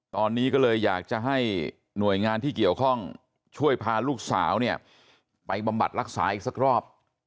ตอนนี้ก็เลยอยากจะให้หน่วยงานที่เกี่ยวข้องช่วยพาลูกสาวเนี่ยไปบำบัดรักษาอีกสักรอบ